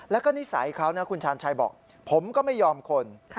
แล้วก็นิสัยเขานะคุณชาญชัยบอกผมก็ไม่ยอมคน